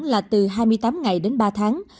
là từ hai mươi tám ngày đến ba tháng